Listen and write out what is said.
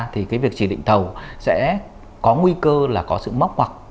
thì việc trì định thầu sẽ có nguy cơ là có sự móc hoặc